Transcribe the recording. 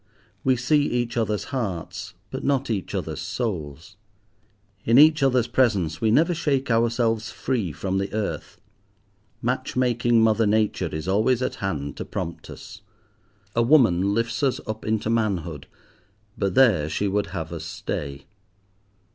We see each other's hearts, but not each other's souls. In each other's presence we never shake ourselves free from the earth. Match making mother Nature is always at hand to prompt us. A woman lifts us up into manhood, but there she would have us stay.